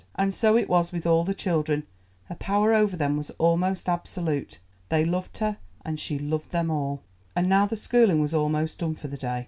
And so it was with all the children; her power over them was almost absolute. They loved her, and she loved them all. And now the schooling was almost done for the day.